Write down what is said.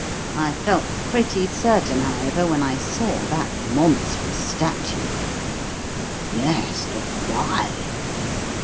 I felt pretty certain, however, when I saw that monstrous statue." "Yes, but why?"